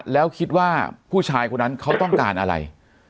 แล้วคิดว่าผู้ชายคนนั้นเขาต้องการอะไร